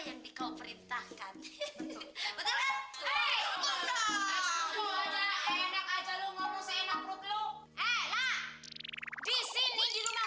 yang dikau perintahkan betul betul enak aja lu ngomong seenak perut lu eh lah disini di rumah